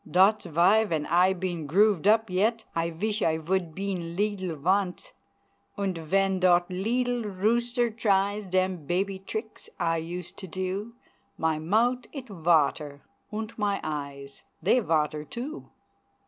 Dot's vy ven I been grooved up yet I vish I vould been leedle vonce! Unt ven dot leetle roozter tries Dem baby tricks I used to do, My mout it vater, unt my eyes Dey vater too!